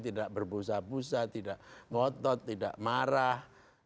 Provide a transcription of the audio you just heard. tidak berbusa busa tidak ngotot tidak marah